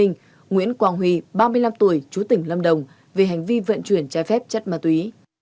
nguyễn quang huy ba mươi năm tuổi chú tỉnh lâm đồng về hành vi vận chuyển trái phép chất ma túy